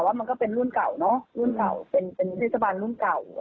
แต่ว่ามันก็เป็นรุ่นเก่าเป็นเทศบาลรุ่นเก่า